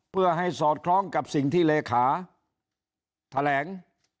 เพื่อให้สอดคล้องกับสิ่งที่เลขาแถลง